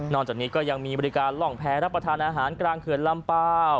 จากนี้ก็ยังมีบริการล่องแพ้รับประทานอาหารกลางเขื่อนลำเปล่า